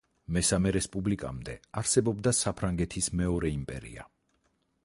მესამე რესპუბლიკამდე არსებობდა საფრანგეთის მეორე იმპერია.